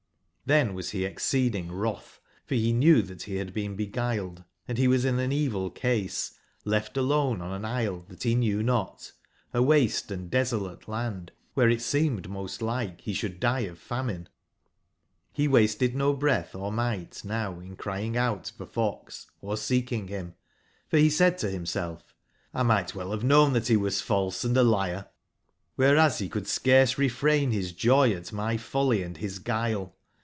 XZbm wasbeexceedingwrotb, for be knew tbat be bad been beguiled, and be was in an evil case, left alone on an Isle tbat be knew not, a waste & desolate land, wbere it seemed most like be sbould die of famine j^ Re wasted no breatb or migbt now in crying out for fox, orseekingbim; forbesaidtobimself:''lmigbt well bave known tbat be was false & a liar, wbereas, be could scarce refrain bis joy at my folly & bis guile.